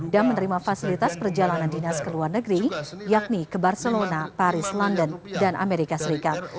dan menerima fasilitas perjalanan dinas ke luar negeri yakni ke barcelona paris london dan amerika serikat